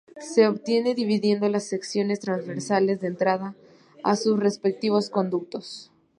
Se obtiene dividiendo las secciones transversales de entrada a sus respectivos conductos.